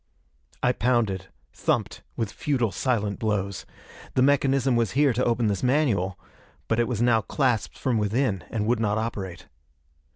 I pounded, thumped with futile, silent blows. The mechanism was here to open this manual; but it was now clasped from within and would not operate.